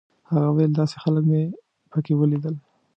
هغه ویل داسې خلک مې په کې ولیدل.